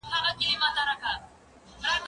زه موسيقي نه اورم!.